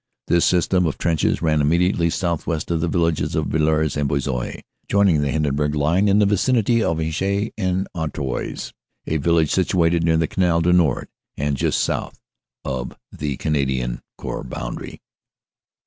This system of trenches ran immediately southwest of the villages of Villers and Buissy, joining the Hindenburg line in the vicinity of Inchy en Artois, a village situated near the Canal du Nord and just south of the Canadian Corps boundary.